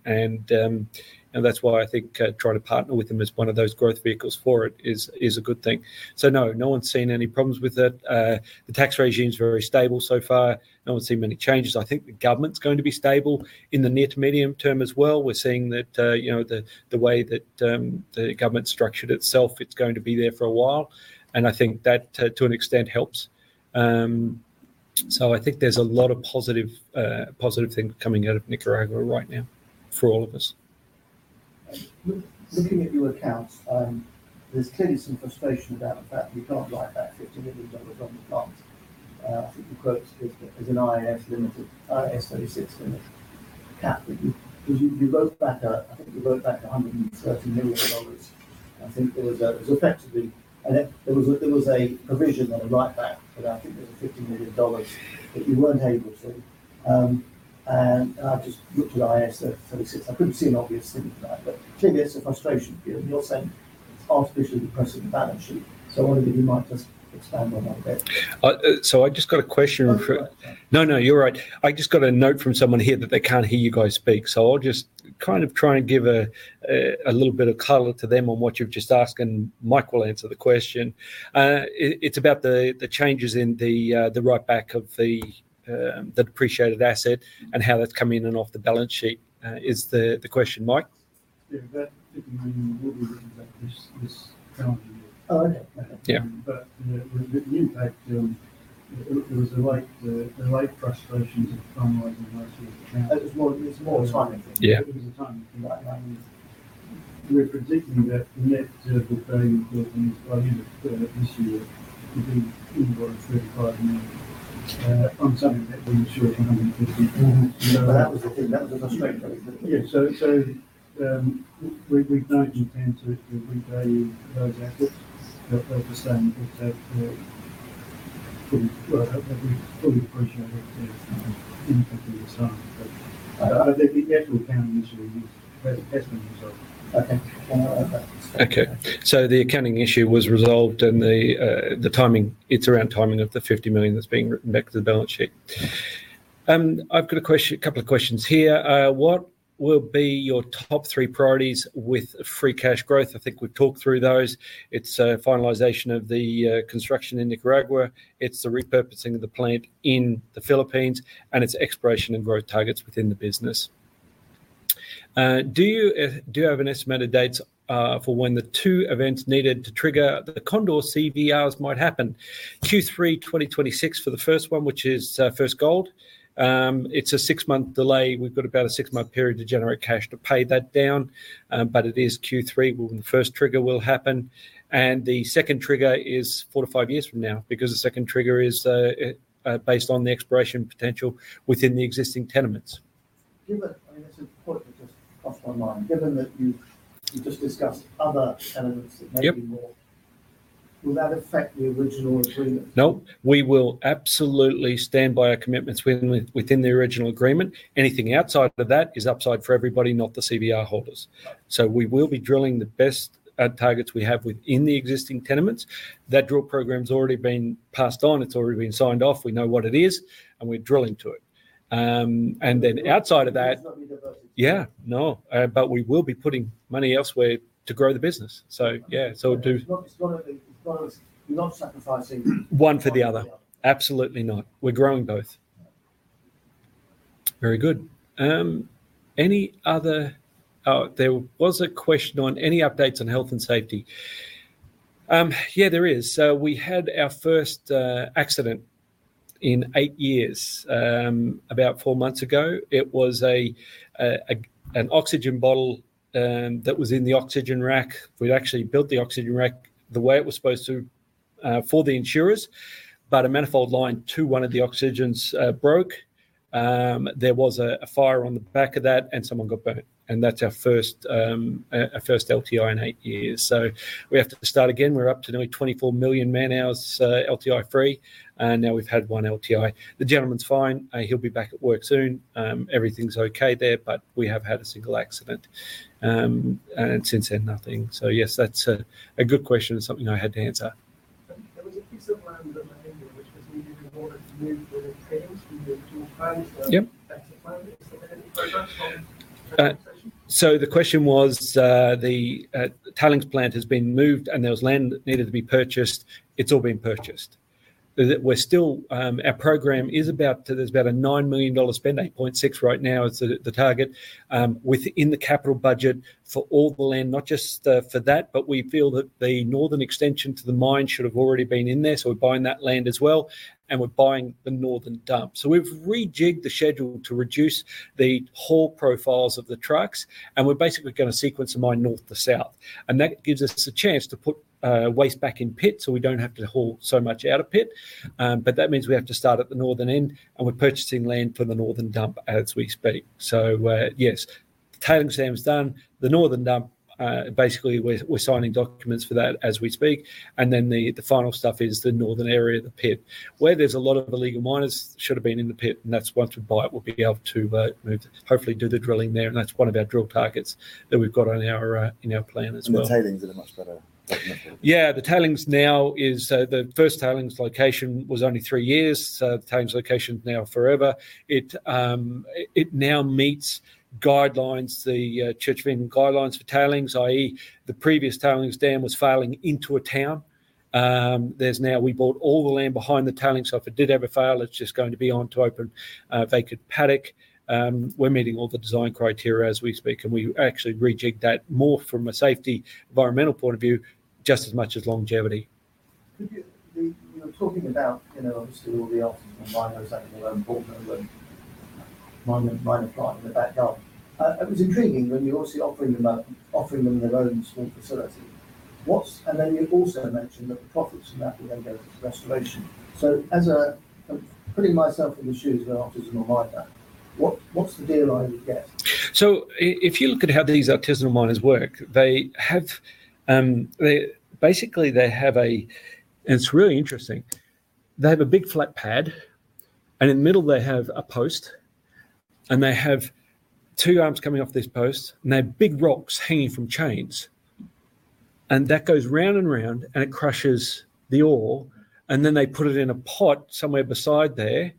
That's why I think trying to partner with them as one of those growth vehicles for it is a good thing. No. No one's seen any problems with it. The tax regime's very stable so far. No one's seen many changes. I think the government's going to be stable in the near to medium term as well. We're seeing that the way that the government's structured itself, it's going to be there for a while. I think that, to an extent, helps. I think there's a lot of positive things coming out of Nicaragua right now for all of us. Looking at your accounts, there's clearly some frustration about the fact that you can't write that $50 million on the plant. I think the quote is an IAS 36 limited cap. Because you wrote back, I think you wrote back $130 million. I think there was effectively a provision and a write back that I think was $50 million that you weren't able to. I just looked at IAS 36. I couldn't see an obvious thing for that, but clearly, it's a frustration. You're saying it's artificially depressing the balance sheet. I wonder if you might just expand on that a bit. I just got a question from. I'm all right. No, you're right. I just got a note from someone here that they can't hear you guys speak, so I'll just try and give a little bit of color to them on what you've just asked, and Mike will answer the question. It's about the changes in the write-back of the depreciated asset and how that's come in and off the balance sheet is the question. Mike? Yeah. That didn't mean we wouldn't have this accounting issue. Okay. Yeah. The impact, it was a late frustration to come. It's more timing. Yeah. It was the timing. We're predicting that the net book value of these [by year-end, third issue, it could be anywhere between $35 million]. I'm saying that we insure $150 million. That was the thing, that was the frustration. Yeah. We've not allowed to revalue those assets, but we're just saying that we fully appreciate it, the impact of this timing. The actual accounting issue has been resolved. Okay. Okay. The accounting issue was resolved and it's around timing of the $50 million that's being written back to the balance sheet. I've got a couple of questions here. What will be your top three priorities with free cash growth? I think we've talked through those. It's finalization of the construction in Nicaragua, it's the repurposing of the plant in the Philippines, and it's exploration and growth targets within the business. Do you have an estimated date for when the two events needed to trigger the Condor CVRs might happen? Q3 2026 for the first one, which is first gold. It's a six-month delay. We've got about a six-month period to generate cash to pay that down. It is Q3 when the first trigger will happen, and the second trigger is four to five years from now because the second trigger is based on the exploration potential within the existing tenements. This is probably just off my mind. Given that you just discussed other elements that may be more. Yep. Will that affect the original agreement? No. We will absolutely stand by our commitments within the original agreement. Anything outside of that is upside for everybody, not the CVR holders. We will be drilling the best targets we have within the existing tenements. That drill program's already been passed on. It's already been signed off. We know what it is, and we're drilling to it. Outside of that- There's nothing diversified. Yeah. No. We will be putting money elsewhere to grow the business. Yeah. It's one of those not sacrificing One for the other. Absolutely not. We're growing both. Very good. Any other, there was a question on any updates on health and safety. Yeah, there is. We had our first accident in eight years, about four months ago. It was an oxygen bottle that was in the oxygen rack. We'd actually built the oxygen rack the way it was supposed to for the insurers, but a manifold line to one of the oxygens broke. There was a fire on the back of that, and someone got burnt. That's our first LTI in eight years. We have to start again. We're up to nearly 24 million man-hours LTI-free, and now we've had one LTI. The gentleman's fine. He'll be back at work soon. Everything's okay there, but we have had a single accident. Since then, nothing. Yes, that's a good question and something I had to answer. There was a piece of land that was needed in order to move the tailings [from the dual plant]. Yep. Is there any progress on that? The question was, the tailings plant has been moved and there was land that needed to be purchased. It's all been purchased. Our program, there's about a $9 million spend, $8.6 million right now is the target, within the capital budget for all the land, not just for that, but we feel that the northern extension to the mine should have already been in there, so we're buying that land as well, and we're buying the northern dump. We've rejigged the schedule to reduce the haul profiles of the trucks, and we're basically going to sequence the mine north to south. That gives us a chance to put waste back in pit so we don't have to haul so much out of pit. That means we have to start at the northern end, and we're purchasing land for the northern dump as we speak. Yes, tailings dam's done. The northern dump, basically, we're signing documents for that as we speak. Then the final stuff is the northern area of the pit where there's a lot of illegal miners should've been in the pit, and that's once we buy it, we'll be able to hopefully do the drilling there, and that's one of our drill targets that we've got in our plan as well. The tailings are much better. Yeah, the first tailings location was only three years, the tailings location is now forever. It now meets guidelines, the Church of England guidelines for tailings, i.e., the previous tailings dam was failing into a town. We bought all the land behind the tailings, so if it did ever fail, it's just going to be onto open, vacant paddock. We're meeting all the design criteria as we speak, and we actually rejigged that more from a safety, environmental point of view just as much as longevity. You were talking about obviously all the options for miners having their own port and the miner client in the backyard. It was intriguing when you're obviously offering them their own small facility. You also mentioned that the profits from that will then go to the restoration. As I'm putting myself in the shoes of an artisanal miner, what's the deal on the gas? If you look at how these artisanal miners work, basically, they have a big flat pad, and in the middle, they have a post, and they have two arms coming off this post, and they have big rocks hanging from chains. It's really interesting. That goes round and round, and it crushes the ore, and then they put it in a pot somewhere beside there,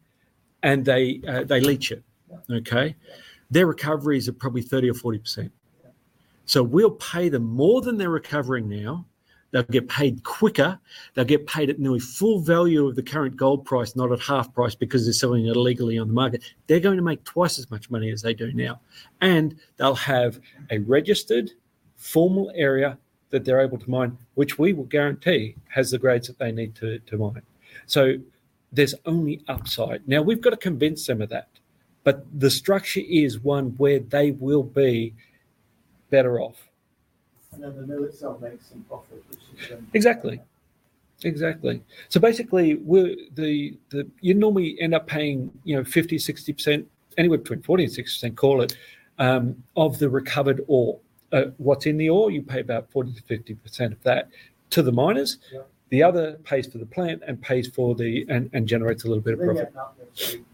and they leach it. Yeah. Okay? Yeah. Their recoveries are probably 30% or 40%. Yeah. We'll pay them more than they're recovering now. They'll get paid quicker. They'll get paid at nearly full value of the current gold price, not at half price because they're selling it illegally on the market. They're going to make twice as much money as they do now. They'll have a registered formal area that they're able to mine, which we will guarantee has the grades that they need to mine. There's only upside. Now, we've got to convince them of that. The structure is one where they will be better off. The mill itself makes some profit, which is then. Exactly. Basically, you normally end up paying 50%-60%, anywhere between 40%-60%, call it, of the recovered ore. What's in the ore, you pay about 40%-50% of that to the miners. Yep. The other pays to the plant and generates a little bit of profit. They end up with between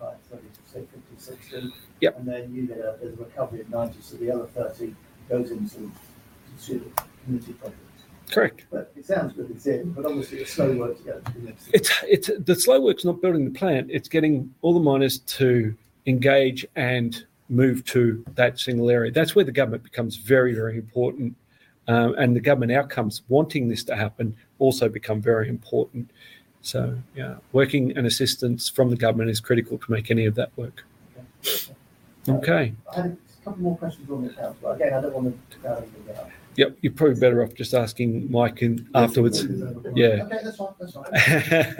25-30 to say 50-60. Yep. There's a recovery of 90%, so the other 30% goes into community profits. Correct. It sounds good as said, but obviously, the slow work's yet to be done. The slow work's not building the plant. It's getting all the miners to engage and move to that single area. That's where the government becomes very, very important. The government outcomes wanting this to happen also become very important. Yeah, working and assistance from the government is critical to make any of that work. Okay. Okay. I have a couple more questions on this now. Again, I don't want to go over. Yep. You're probably better off just asking Mike afterwards. Yeah. Okay. That's all. I have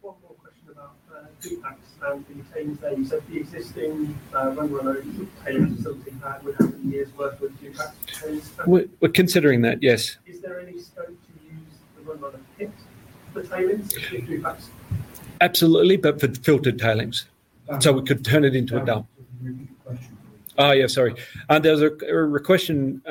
one more question about the impacts and the tailings there. You said the existing Runruno tailings facility there would have years' worth with due process. We're considering that, yes. Is there any scope to use the Runruno pits for tailings with due process? Absolutely, but for the filtered tailings. Ah. We could turn it into a dump. Can you repeat the question, please? Oh, yeah, sorry. There was a question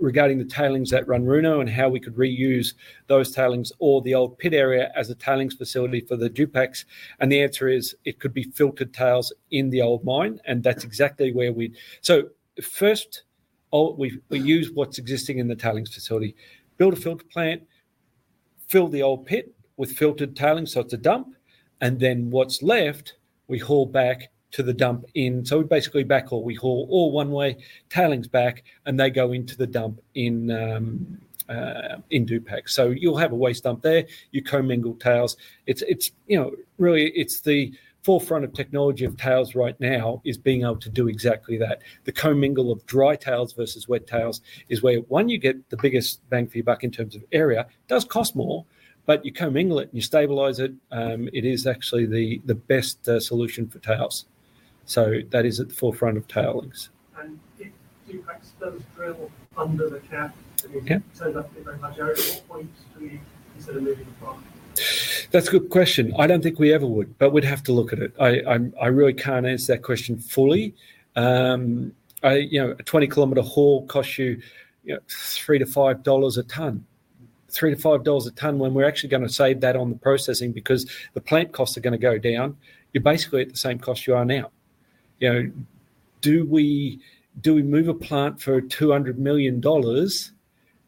regarding the tailings at Runruno and how we could reuse those tailings or the old pit area as a tailings facility for the Dupax, and the answer is, it could be filtered tails in the old mine, and that's exactly where we'd. First, we use what's existing in the tailings facility. Build a filter plant, fill the old pit with filtered tailings, so it's a dump, and then what's left, we haul back to the dump in Dupax. We basically backhaul. We haul ore one way, tailings back, and they go into the dump in Dupax. You'll have a waste dump there. You co-mingle tails. Really, it's the forefront of technology of tails right now is being able to do exactly that. The co-mingle of dry tails versus wet tails is where, one, you get the biggest bang for your buck in terms of area. It does cost more, but you co-mingle it, and you stabilize it. It is actually the best solution for tails. That is at the forefront of tailings. If Dupax does drill under the lithocap Yeah. It turns out to be very high grade. At what point do we consider moving the plant? That's a good question. I don't think we ever would. We'd have to look at it. I really can't answer that question fully. A 20-kilometer haul costs you $3-$5 a ton. $3-$5 a ton, when we're actually going to save that on the processing because the plant costs are going to go down. You're basically at the same cost you are now. Do we move a plant for $200 million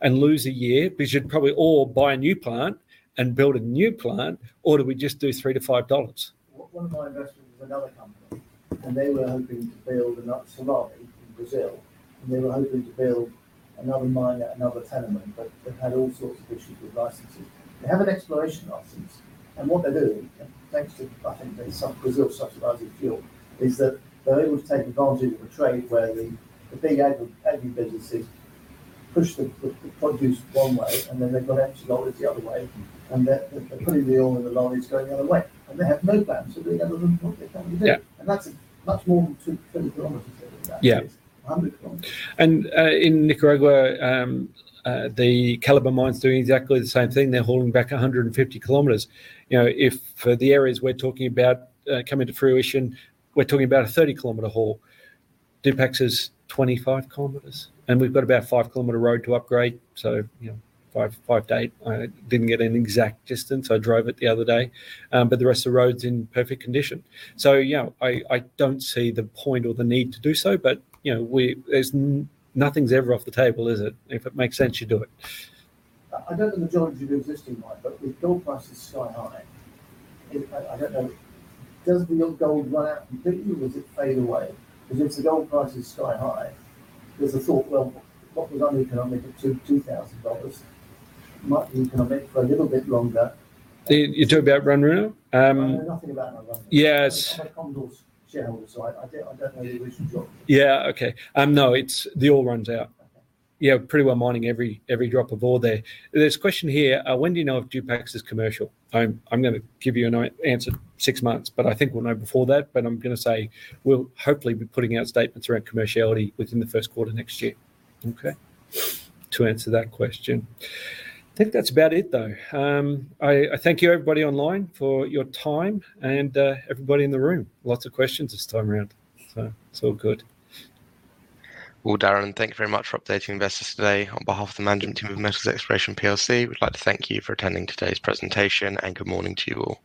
and lose a year? Because you'd probably all buy a new plant and build a new plant, or do we just do $3-$5? One of my investors with another company, and they were hoping to build another mine in Brazil, and they were hoping to build another mine at another tenement, but they've had all sorts of issues with licenses. They have an exploration license. What they're doing, thanks to, I think, Brazil subsidizing fuel, is that they're able to take advantage of a trade where the big agri businesses push the produce one way, and then they've got empty lorries the other way, and they're putting the ore in the lorries going the other way. They have no plans of doing other than what they're going to do. Yeah. That's much more than 230 km there, in fact. Yeah. 100 km. In Nicaragua, the Calibre mine's doing exactly the same thing. They're hauling back 150 km. If the areas we're talking about come into fruition, we're talking about a 30 km haul. Dupax is 25 km. We've got about a 5 km road to upgrade. Five to eight. I didn't get an exact distance. I drove it the other day. The rest of the road's in perfect condition. Yeah. I don't see the point or the need to do so. Nothing's ever off the table, is it? If it makes sense, you do it. I don't know the majority of the existing mine, but with gold prices sky high, I don't know. Does the old gold run out completely, or does it fade away? Because if the gold price is sky high, there's a thought, well, what was uneconomic at $2,000 might be economic for a little bit longer. You're talking about Runruno? I know nothing about Runruno. Yes. I'm a Condor shareholder, so I don't know the original drop. Yeah. Okay. No. The ore runs out. Okay. Yeah. Pretty well mining every drop of ore there. There's a question here. When do you know if Dupax is commercial? I'm going to give you an answer six months, but I think we'll know before that. I'm going to say we'll hopefully be putting out statements around commerciality within the first quarter next year. Okay. To answer that question. I think that's about it, though. I thank you, everybody online, for your time and everybody in the room. Lots of questions this time around. It's all good. Well, Darren, thank you very much for updating investors today. On behalf of the management team of Metals Exploration Plc, we'd like to thank you for attending today's presentation, and good morning to you all.